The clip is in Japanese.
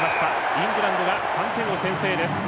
イングランドが、３点を先制です。